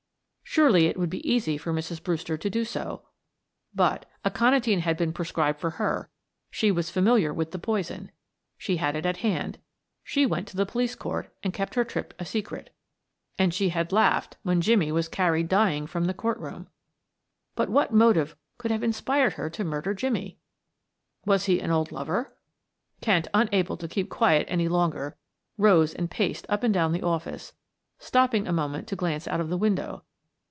Surely it would be easy for Mrs. Brewster to do so, but aconitine had been prescribed for her; she was familiar with the poison, she had it at hand, she went to the police court, and kept her trip a secret, and she had laughed when Jimmie was carried dying from the court room. But what motive could have inspired her to murder Jimmie? Was he an old lover Kent, unable to keep quiet any longer, rose and paced up and down the office, stopping a moment to glance out of the window.